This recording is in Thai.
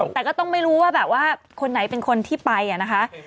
แต่ก็ต้องไม่รู้ว่าแบบว่าคนไหนเป็นคนที่ไปนะคะ